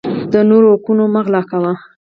د نورو حقونه مه غلاء کوه